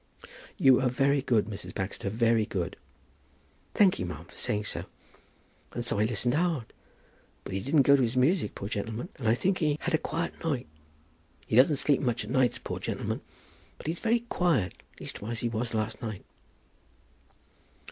"You are very good, Mrs. Baxter, very good." "Thank ye, ma'am, for saying so. And so I listened hard; but he didn't go to his music, poor gentleman; and I think he had a quiet night. He doesn't sleep much at nights, poor gentleman, but he's very quiet; leastwise he was last night."